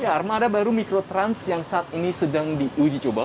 armada baru mikrotrans yang saat ini sedang diuji coba